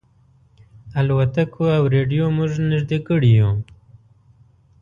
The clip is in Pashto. الوتکو او رېډیو موږ نيژدې کړي یو.